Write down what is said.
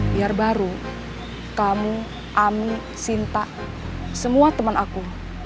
biar baru kamu ami cinta semua teman aku